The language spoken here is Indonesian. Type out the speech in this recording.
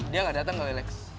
dia gak dateng gak relax